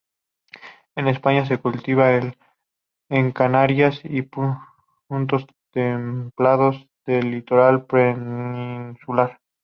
En España se cultiva en Canarias y puntos templados del litoral peninsular.